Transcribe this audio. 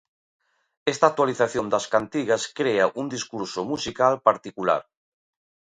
Esta actualización das cantigas crea un discurso musical particular.